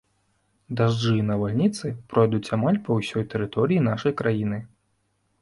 Дажджы і навальніцы пройдуць амаль па ўсёй тэрыторыі нашай краіны.